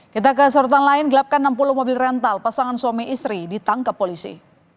kita ke sorotan lain gelapkan enam puluh mobil rental pasangan suami istri ditangkap polisi